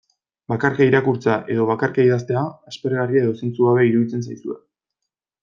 Bakarka irakurtzea edo bakarka idaztea, aspergarria edo zentzugabea iruditzen zaizue.